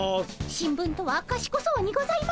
新聞とはかしこそうにございますね。